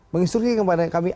menginstruksi kepada kami